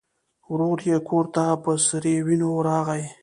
ورور یې کور ته په سرې وینو راغی.